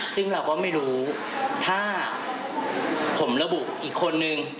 ซึ่งเราก็ไม่รู้ถ้าผมระบุอีกคนนึง